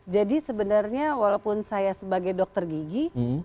jadi sebenarnya walaupun saya sebagai dokter gigi